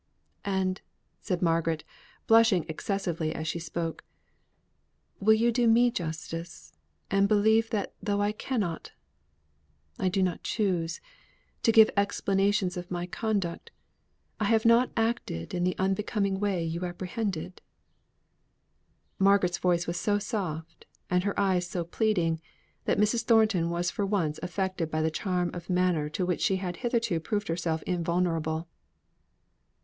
"And," said Margaret, blushing excessively as she spoke, "will you do me justice, and believe that though I cannot I do not choose to give explanations of my conduct, I have not acted in the unbecoming way you apprehended?" Margaret's voice was so soft, and her eyes so pleading, that Mrs. Thornton was for once affected by the charm of manner to which she had hitherto proved herself invulnerable.